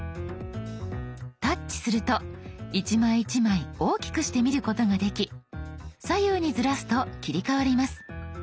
タッチすると一枚一枚大きくして見ることができ左右にずらすと切り替わります。